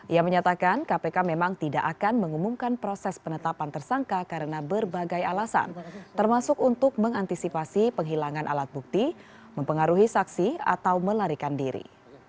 ia menyatakan kpk memang tidak akan mengumumkan proses penetapan tersangka karena berbagai alasan termasuk untuk mengantisipasi penghilangan alat bukti mempengaruhi saksi atau melarikan diri